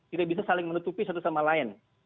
tidak bisa saling menutupi satu sama lain